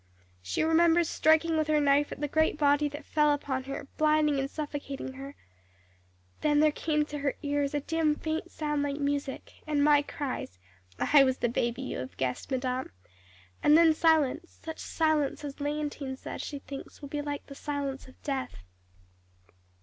She remembers striking with her knife at the great body that fell upon her, blinding and suffocating her; then there came to her ears a dim faint sound like music, and my cries I was the baby, you have guessed, madame and then silence, such silence as Léontine says she thinks will be like the silence of death.